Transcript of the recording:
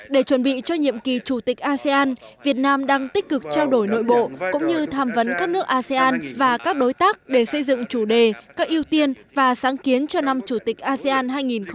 để chuẩn bị cho nhiệm kỳ chủ tịch asean việt nam đang tích cực trao đổi nội bộ cũng như tham vấn các nước asean và các đối tác để xây dựng chủ đề các ưu tiên và sáng kiến cho năm chủ tịch asean hai nghìn hai mươi